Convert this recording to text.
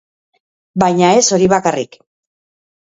Baina ez hori bakarrik.